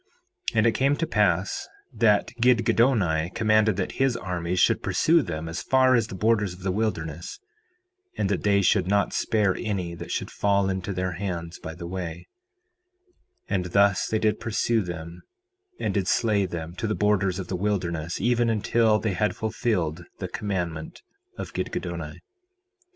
4:13 And it came to pass that Gidgiddoni commanded that his armies should pursue them as far as the borders of the wilderness, and that they should not spare any that should fall into their hands by the way; and thus they did pursue them and did slay them, to the borders of the wilderness, even until they had fulfilled the commandment of Gidgiddoni.